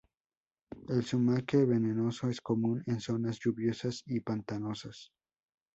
El zumaque venenoso es común en zonas lluviosas y pantanosas.